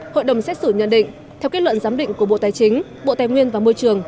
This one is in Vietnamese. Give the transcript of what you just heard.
hội đồng xét xử nhận định theo kết luận giám định của bộ tài chính bộ tài nguyên và môi trường